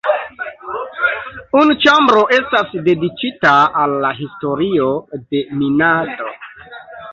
Unu ĉambro estas dediĉita al la historio de minado.